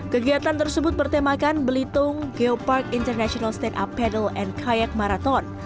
kegiatan tersebut bertemakan belitung geopark international stand up paddle and kayak marathon